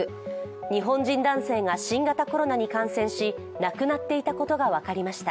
日本人男性が新型コロナに感染し亡くなっていたことが分かりました。